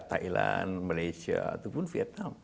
thailand malaysia ataupun vietnam